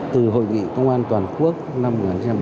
từ hội nghị công an toàn quốc năm một nghìn chín trăm bảy mươi ba